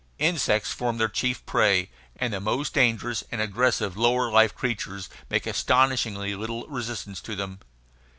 Insects form their chief prey; and the most dangerous and aggressive lower life creatures make astonishingly little resistance to them.